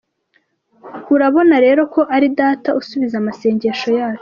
Urabona rero ko ari Data usubiza amasengesho yacu.